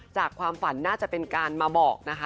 จากความฝันน่าจะเป็นการมาบอกนะคะ